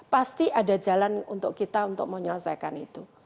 pasti ada jalan untuk kita untuk menyelesaikan itu